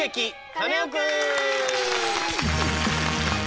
カネオくん」！